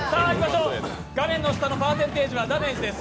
画面下のパーセンテージはダメージです。